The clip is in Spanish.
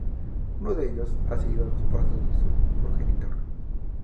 Uno de ellos, ha seguido los pasos de su progenitor.